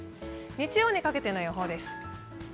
日曜にかけての予報です。